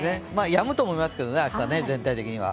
やむと思いますけどね、明日、全体的には。